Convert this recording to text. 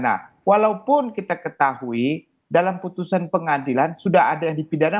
nah walaupun kita ketahui dalam putusan pengadilan sudah ada yang dipidana